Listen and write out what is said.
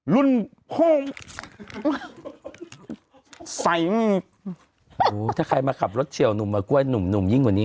รุ่นโฮ้มใส่ถ้าใครมาขับรถเชี่ยวหนุ่มมากว่านุ่มหนุ่มยิ่งกว่านี้